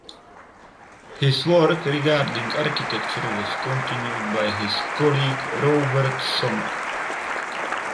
His work regarding architecture was continued by his colleague Robert Sommer.